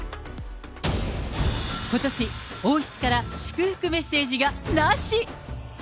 ことし、王室から祝福メッセージがなし。